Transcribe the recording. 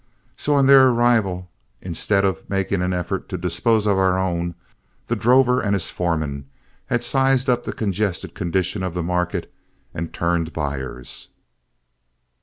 So on their arrival, instead of making any effort to dispose of our own, the drover and his foreman had sized up the congested condition of the market, and turned buyers.